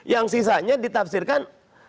yang sisanya ditafsirkan